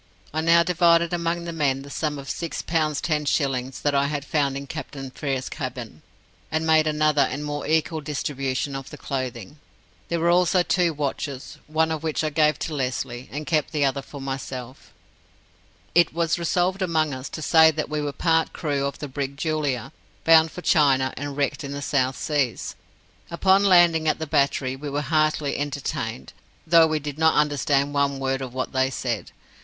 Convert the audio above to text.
I now divided among the men the sum of six pounds ten shillings that I had found in Captain Frere's cabin, and made another and more equal distribution of the clothing. There were also two watches, one of which I gave to Lesly, and kept the other for myself. It was resolved among us to say that we were part crew of the brig Julia, bound for China and wrecked in the South Seas. Upon landing at the battery, we were heartily entertained, though we did not understand one word of what they said.